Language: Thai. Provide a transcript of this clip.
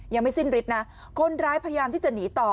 ยังไม่สิ้นฤทธิ์นะคนร้ายพยายามที่จะหนีต่อ